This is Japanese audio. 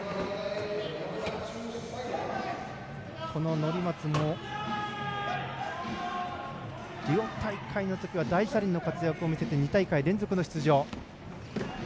乗松も、リオ大会のときは大車輪の活躍を見せて２大会連続の出場。